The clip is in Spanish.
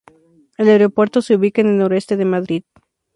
El aeropuerto se ubica en el noreste de Madrid.